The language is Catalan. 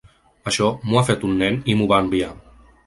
Això m’ho ha fet un nen i m’ho va enviar.